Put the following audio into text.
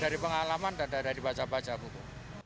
dari pengalaman dan dari baca baca buku